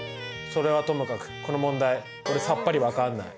それはともかくこの問題俺さっぱり分かんない。